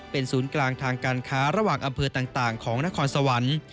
เป็นศูนย์กลางทางการค้าระหว่างอำเภอต่างของนครสวรรค์